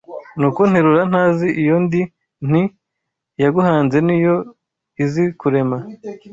Nuko nterura ntazi iyo ndi Nti : Iyaguhanze ni yo izi kurema